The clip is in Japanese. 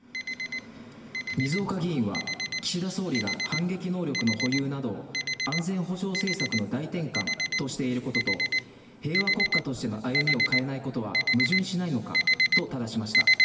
水岡議員は、岸田総理が反撃能力の保有など、安全保障政策の大転換としていることと、平和国家としての歩みを変えないことは矛盾しないのかとただしました。